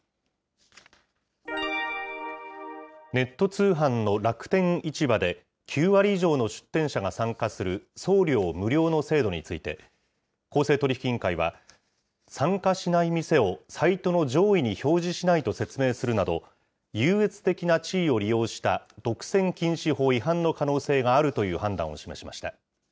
ネット通販の楽天市場で、９割以上の出店者が参加する送料無料の制度について、公正取引委員会は、参加しない店をサイトの上位に表示しないと説明するなど、優越的な地位を利用した独占禁止法違反の可能性があるという判断を示しました。